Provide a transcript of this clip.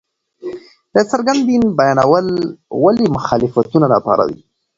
د څرګند دين بيانول ولې مخالفتونه راپاروي!؟